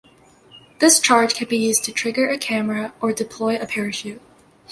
This charge can be used to trigger a camera, or deploy a parachute.